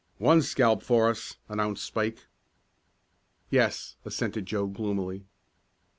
"One scalp for us," announced Spike. "Yes," assented Joe gloomily.